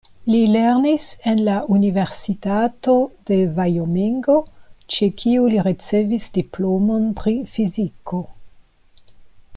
Li lernis en la Universitato de Vajomingo, ĉe kiu li ricevis diplomon pri fiziko.